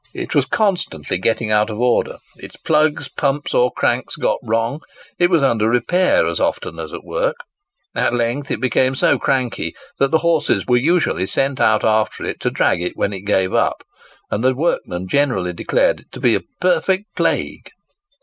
It was constantly getting out of order; its plugs, pumps, or cranks, got wrong; it was under repair as often as at work; at length it became so cranky that the horses were usually sent out after it to drag it when it gave up; and the workmen generally declared it to be a "perfect plague."